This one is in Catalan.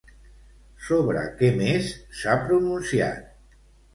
Sobre què més s'ha pronunciat?